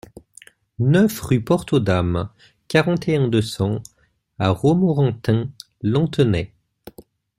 neuf rue Porte aux Dames, quarante et un, deux cents à Romorantin-Lanthenay